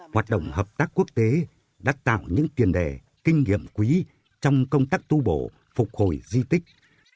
hoạt động hợp tác quốc tế đã tạo những tiền đề kinh nghiệm quý trong công tác tu bổ phục hồi di tích